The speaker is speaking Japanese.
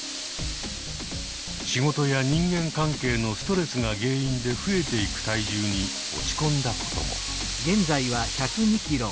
仕事や人間関係のストレスが原因で増えていく体重に落ち込んだことも。